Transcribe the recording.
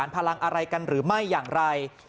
พลังอะไรกันหรือไม่อย่างไร